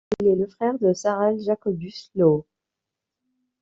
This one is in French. Il est le frère de Sarel Jacobus Louw.